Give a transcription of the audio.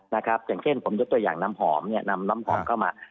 อย่างเช่นผมยกตัวอย่างน้ำหอมเนี่ยนำน้ำหอมเข้ามา